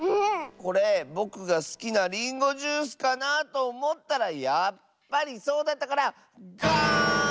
これぼくがすきなリンゴジュースかなとおもったらやっぱりそうだったからガーン！